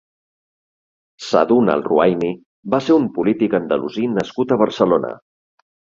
Sadun al-Ruayni va ser un polític andalusí nascut a Barcelona.